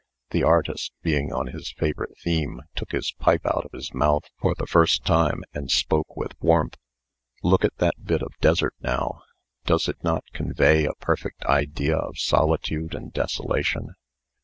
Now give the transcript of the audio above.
(The artist, being on his favorite theme, took his pipe out of his mouth for the first time, and spoke with warmth.) "Look at that bit of desert, now. Does it not convey a perfect idea of solitude and desolation?"